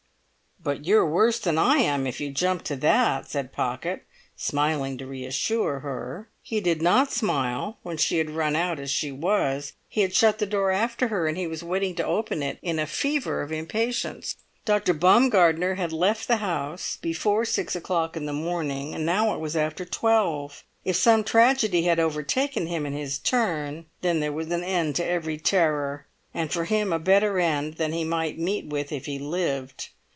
"But you're worse than I am, if you jump to that!" said Pocket, smiling to reassure her. He did not smile when she had run out as she was; he had shut the door after her, and he was waiting to open it in a fever of impatience. Dr. Baumgartner had left the house before six o'clock in the morning; now it was after twelve. If some tragedy had overtaken him in his turn, then there was an end to every terror, and for him a better end than he might meet with if he lived.